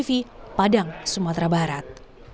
pompas tv padang sumatera barat